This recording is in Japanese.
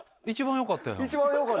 一番よかったよ。